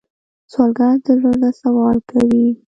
سوالګر د زړه نه سوال کوي